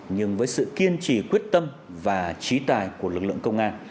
nhưng với sự kiên trì quyết tâm và trí tài của lực lượng công an